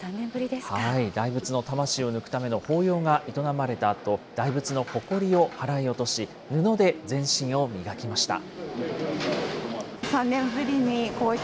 大仏の魂を抜くための法要が営まれたあと、大仏のほこりを払い落し、布で全身を磨きました。